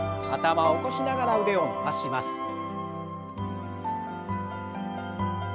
頭を起こしながら腕を伸ばします。